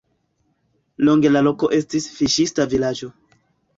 Longe la loko estis fiŝista vilaĝo.